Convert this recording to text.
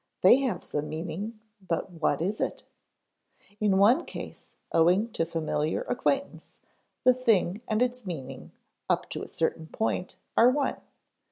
They have some meaning, but what is it? In one case, owing to familiar acquaintance, the thing and its meaning, up to a certain point, are one.